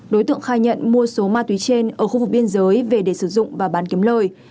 đối tượng khai nhận mua số ma túy trên ở khu vực biên giới về để sử dụng và bán kiếm lời